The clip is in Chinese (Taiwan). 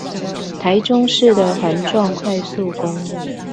臺中市的環狀快速公路